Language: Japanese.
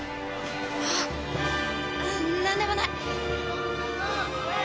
あっううん何でもない。